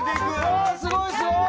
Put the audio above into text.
わあすごいすごい！